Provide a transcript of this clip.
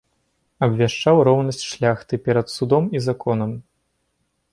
Абвяшчаў роўнасць шляхты перад судом і законам.